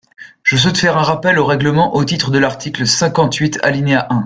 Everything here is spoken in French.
Je souhaite faire un rappel au règlement au titre de l’article cinquante-huit, alinéa un.